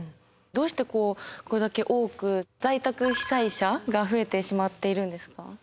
どうしてこうこれだけ多く在宅被災者が増えてしまっているんですか？